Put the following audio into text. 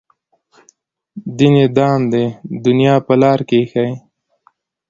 دین یې دام دی د دنیا په لار کې ایښی.